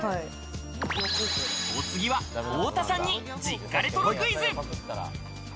お次は、太田さんに実家レトロクイズ。